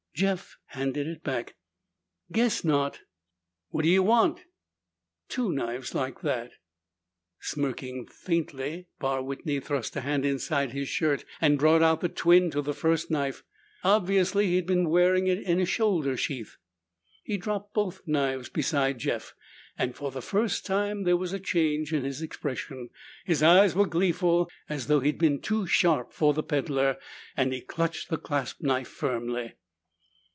Jeff handed it back. "Guess not." "What do ye want?" "Two knives like that." Smirking faintly, Barr Whitney thrust a hand inside his shirt and brought out the twin to the first knife. Obviously he'd been wearing it in a shoulder sheath. He dropped both knives beside Jeff and for the first time there was a change in his expression. His eyes were gleeful, as though he'd been too sharp for a peddler, and he clutched the clasp knife firmly.